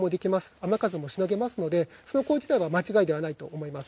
雨風もしのげますのでそのこと自体は間違いではないと思います。